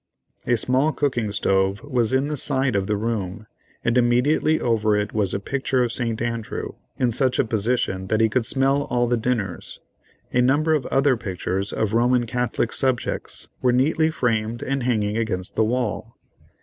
A small cooking stove was in the side of the room, and immediately over it was a picture of St. Andrew in such a position that he could smell all the dinners; a number of other pictures of Roman Catholic subjects were neatly framed and hanging against the wall.